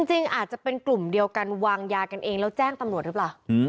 จริงอาจจะเป็นกลุ่มเดียวกันวางยากันเองแล้วแจ้งตำรวจหรือเปล่า